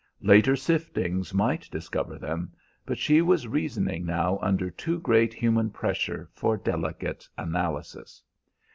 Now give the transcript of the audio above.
Later siftings might discover them, but she was reasoning now under too great human pressure for delicate analysis.